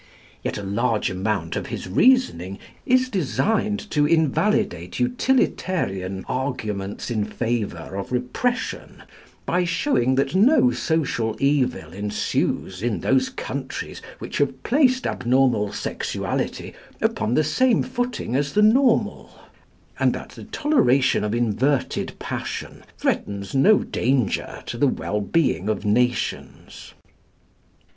Yet a large amount of his reasoning is designed to invalidate utilitarian arguments in favour of repression, by showing that no social evil ensues in those countries which have placed abnormal sexuality upon the same footing as the normal, and that the toleration of inverted passion threatens no danger to the well being of nations.